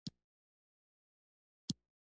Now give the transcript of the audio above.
بالاخره وینز ښار پر موزیم بدل شو.